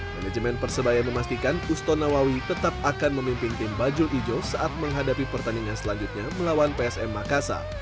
manajemen persebaya memastikan uston nawawi tetap akan memimpin tim bajul ijo saat menghadapi pertandingan selanjutnya melawan psm makassar